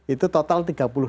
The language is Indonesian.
itu total tiga puluh tujuh